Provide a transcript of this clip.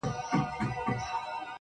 ه ياره ځوانيمرگ شې مړ شې لولپه شې